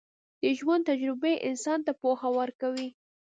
د ژوند تجربې انسان ته پوهه ورکوي.